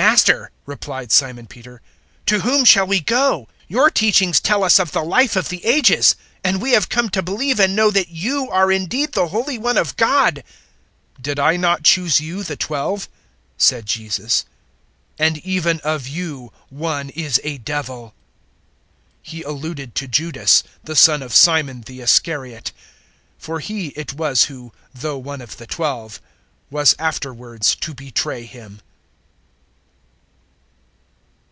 006:068 "Master," replied Simon Peter, "to whom shall we go? Your teachings tell us of the Life of the Ages. 006:069 And we have come to believe and know that *you* are indeed the Holy One of God." 006:070 "Did not I choose you the Twelve?" said Jesus, "and even of you one is a devil." 006:071 He alluded to Judas, the son of Simon the Iscariot. For he it was who, though one of the Twelve, was afterwards to betray Him.